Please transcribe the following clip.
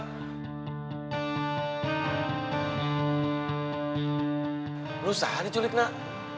ini siapa yang diculik nak